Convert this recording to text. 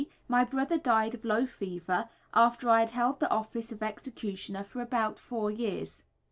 My brother died of low fever, after I had held the office of executioner for about four years.